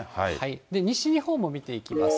西日本も見ていきます。